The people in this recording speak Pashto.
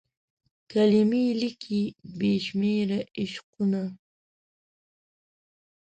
کلمې لیکي بې شمیر عشقونه